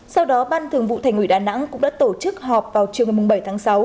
sau đó ban thường vụ thành ủy đà nẵng cũng đã tổ chức họp vào chiều ngày bảy tháng sáu